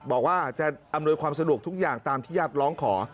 บอกว่าจะอำนวยความสะดวกทุกอย่างตามที่ญาติร้องขอ